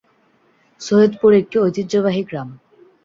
সৈয়দপুর একটি ঐতিহ্যবাহী গ্রাম।